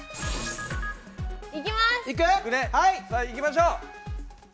さあいきましょう。